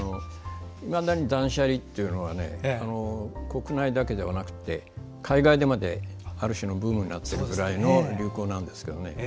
断捨離というのは国内だけではなくて海外でまである種ブームになっていて流行なんですけど。